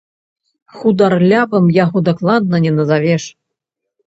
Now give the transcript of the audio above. Хударлявым яго дакладна не назавеш.